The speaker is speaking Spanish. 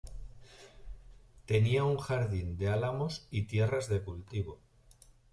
Tenía un jardín de álamos y tierras de cultivo.